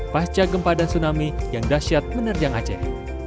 pasca gempa dan tsunami yang dahsyat menerjang aceh